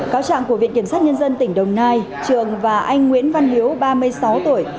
cáo trạng của viện kiểm sát nhân dân tỉnh đồng nai trường và anh nguyễn văn hiếu ba mươi sáu tuổi